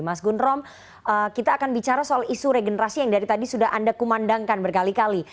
mas gun rom kita akan bicara soal isu regenerasi yang dari tadi sudah anda kumandangkan berkali kali